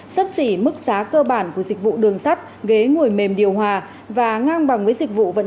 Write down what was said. sấp xỉ mức giá cơ bản của dịch vụ đường sắt ghế ngồi mềm điều hòa và ngang bằng với dịch vụ vận chuyển